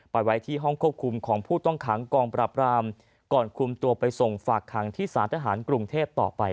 ไว้ที่ห้องควบคุมของผู้ต้องขังกองปราบรามก่อนคุมตัวไปส่งฝากขังที่สารทหารกรุงเทพต่อไป